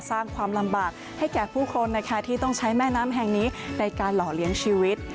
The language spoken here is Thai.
สร้างความลำบากให้แก่ผู้คนนะคะที่ต้องใช้แม่น้ำแห่งนี้ในการหล่อเลี้ยงชีวิต